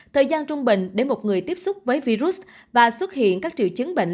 thời gian trung bình để một người tiếp xúc với virus và xuất hiện các triệu chứng bệnh